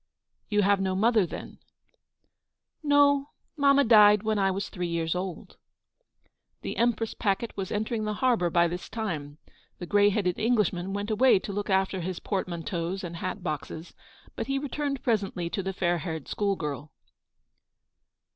" You have no mother, then ?"" No ; mamma died when I was three years old." The "Empress" packet was entering the har bour by this time. The grey headed Englishman went away to look after his portmanteaus and hat boxes, but he returned presently to the fair haired school girl.